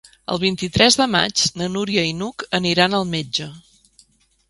El vint-i-tres de maig na Núria i n'Hug aniran al metge.